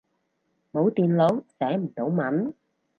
冇電腦，寫唔到文